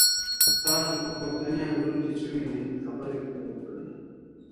تاسو په پورتني انځور کې څه وینی، خبرې پرې وکړئ؟